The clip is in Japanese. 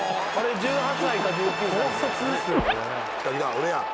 俺や。